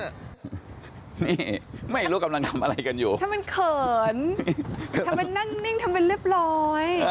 นี่ไม่รู้กำลังทำอะไรกันอยู่ทำไมเขินทำเป็นนั่งนิ่งทำเป็นเรียบร้อย